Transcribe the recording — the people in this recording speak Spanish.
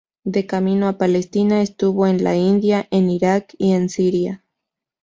De camino a Palestina, estuvo en la India, en Irak, y en Siria.